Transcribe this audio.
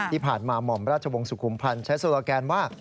ที่ผ่านมาหม่อมราชวงศ์สุขุมพันธ์ใช้โซโลแกนว่า